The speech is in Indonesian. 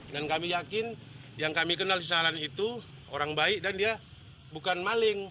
dan kami yakin yang kami kenal di sahalan itu orang baik dan dia bukan maling